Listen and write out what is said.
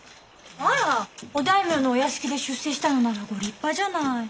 あらお大名のお屋敷で出世したのならご立派じゃない。